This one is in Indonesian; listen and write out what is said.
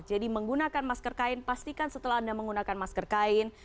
jadi menggunakan masker kain pastikan setelah anda menggunakan masker kain